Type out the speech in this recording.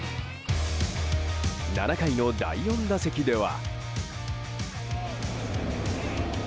７回の第４打席では。